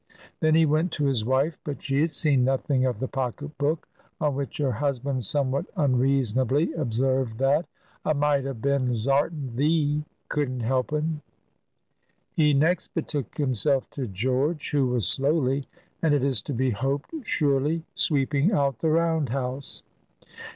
Then he went to his wife, but she had seen nothing of the pocket book; on which her husband somewhat unreasonably observed that, "A might a been zartin thee couldn't help un!" He next betook himself to George, who was slowly, and it is to be hoped surely, sweeping out the round house.